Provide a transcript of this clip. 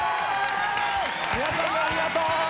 皆さんもありがとう！